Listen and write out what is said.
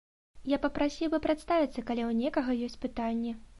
Я папрасіў бы прадставіцца, калі ў некага ёсць пытанні.